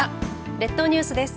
列島ニュースです。